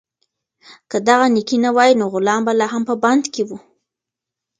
که دغه نېکي نه وای، نو غلام به لا هم په بند کې و.